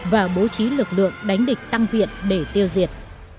và bố trí lực lượng đánh địch tăng viện để tiêu diệt